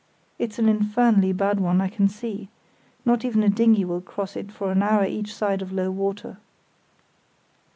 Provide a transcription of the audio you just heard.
It's an infernally bad one, I can see. Not even a dinghy will cross it for an hour each side of low water."